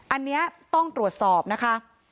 อันนี้ต้องตรวจสอบนะคะ